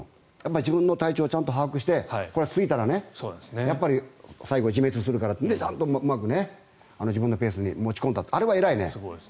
自分の体調を把握してやっぱり最後、自滅するからってちゃんとうまく自分のペースに持ち込んだというあれは偉いね。